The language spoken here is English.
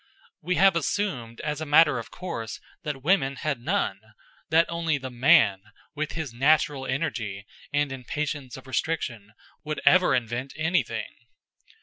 We have assumed, as a matter of course, that women had none; that only the man, with his natural energy and impatience of restriction, would ever invent anything.